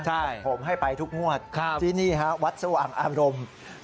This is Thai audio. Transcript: ใช่ผมให้ไปทุกงวดที่นี่ฮะวัดสว่างอารมณ์